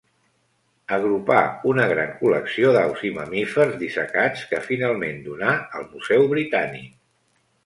Agrupà una gran col·lecció d'aus i mamífers dissecats que finalment donà al Museu Britànic.